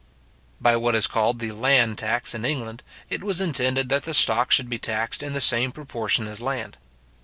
By what is called the land tax in England, it was intended that the stock should be taxed in the same proportion as land.